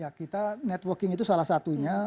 jadi kita networking itu salah satunya